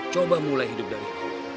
coba mulai hidup dari